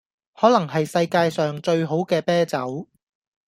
可能系世界上最好嘅啤酒